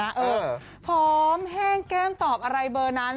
เออผอมแห้งแก้มตอบอะไรเบอร์นั้น